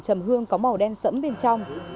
trầm hương có màu đen sẫm bên trong